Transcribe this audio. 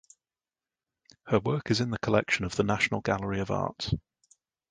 Her work is in the collection of the National Gallery of Art.